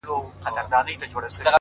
هغوو ته ځکه تر لیلامه پوري پاته نه سوم ـ